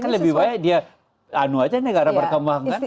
lebih baik dia anu aja negara berkembang kan